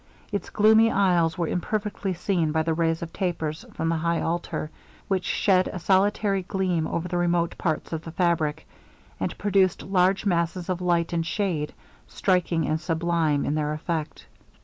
Its gloomy aisles were imperfectly seen by the rays of tapers from the high altar, which shed a solitary gleam over the remote parts of the fabric, and produced large masses of light and shade, striking and sublime in their effect.